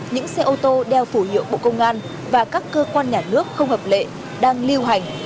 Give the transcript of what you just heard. những xe ô tô đeo phủ hiệu bộ công an và các cơ quan nhà nước không hợp lệ đang lưu hành